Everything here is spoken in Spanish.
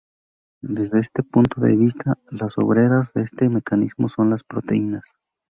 Desde este punto de vista, las "obreras" de este mecanismo son las proteínas.